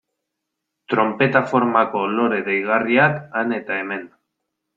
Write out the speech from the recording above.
Tronpeta formako lore deigarriak han eta hemen.